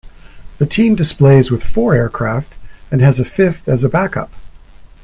The team displays with four aircraft and has a fifth as a backup.